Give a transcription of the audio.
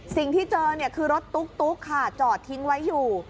สิ่งที่เจอเนี่ยคือรถตุ๊กค่ะจอดทิ้งไว้อยู่